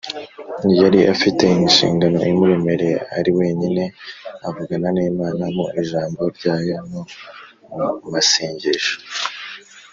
. Yari afite inshingano imuremereye. Ari wenyine, avugana n’Imana mu Ijambo ryayo no mu masengesho